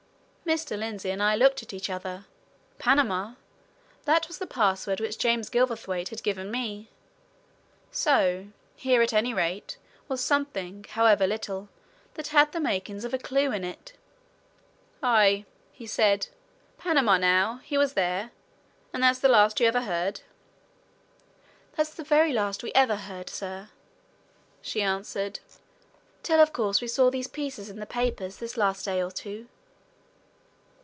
Mr. Lindsey and I looked at each other. Panama! that was the password which James Gilverthwaite had given me. So here, at any rate, was something, however little, that had the makings of a clue in it. "Aye!" he said, "Panama, now? He was there? And that's the last you ever heard?" "That's the very last we ever heard, sir," she answered. "Till, of course, we saw these pieces in the papers this last day or two."